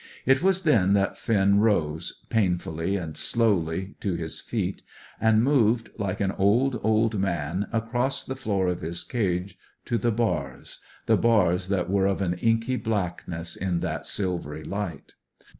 It was then that Finn rose, painfully and slowly, to his feet, and moved, like an old, old man, across the floor of his cage to the bars, the bars that were of an inky blackness in that silvery light.